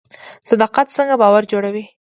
صداقت څنګه باور جوړوي؟